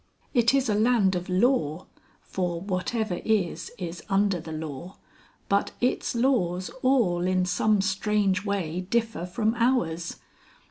It is a land of Law for whatever is, is under the law but its laws all, in some strange way, differ from ours.